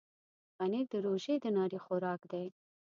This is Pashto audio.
پنېر د روژې د ناري خوراک دی.